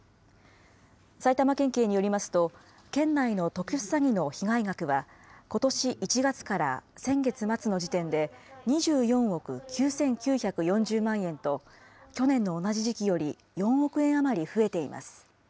埼玉県警によりますと、県内の特殊詐欺の被害額は、ことし１月から先月末の時点で２４億９９４０万円と、去年の同じ時期より４億円余り増えています。